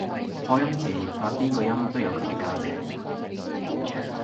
破音字發邊個音都有佢嘅價值